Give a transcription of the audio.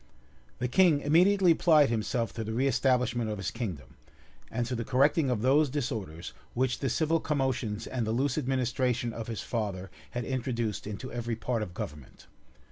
The king immediately applied himself to the reestablishment of his kingdom, and to the correcting of those disorders which the civil commotions and the loose administration of his father had introduced into every part of government.